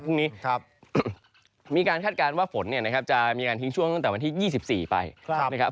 พรุ่งนี้มีการคาดการณ์ว่าฝนเนี่ยนะครับจะมีการทิ้งช่วงตั้งแต่วันที่๒๔ไปนะครับ